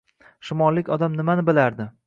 Shimollik odam nimani bilardi